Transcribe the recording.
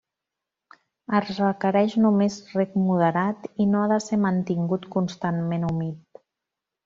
Es requereix només rec moderat i no ha de ser mantingut constantment humit.